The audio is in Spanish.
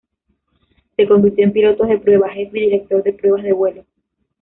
Se convirtió en Piloto de pruebas jefe y director de pruebas de vuelo.